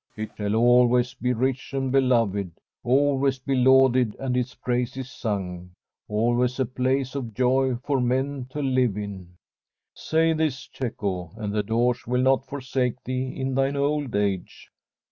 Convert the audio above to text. It shall always be rich and beloved, always be lauded and its praises sung, always a place of joy for men to live in. Say this, Cecco, and the Doge will not forsake thee in thine old age.'